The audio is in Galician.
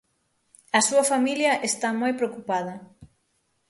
A súa familia está moi preocupada.